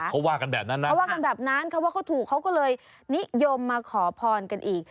เขาว่ากันแบบนั้นนะค่ะเขาว่าเขาถูกเขาก็เลยนิยมมาขอพรกันอีก